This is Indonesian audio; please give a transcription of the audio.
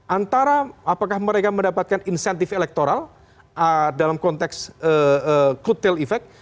antara apakah mereka mendapatkan insentif elektoral dalam konteks could tell effect